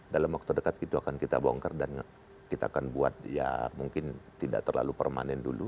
dalam waktu dekat itu akan kita bongkar dan kita akan buat ya mungkin tidak terlalu permanen dulu